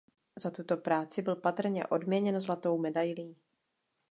Za tuto práci byl patrně odměněn zlatou medailí.